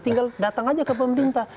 tinggal datang aja ke pemerintah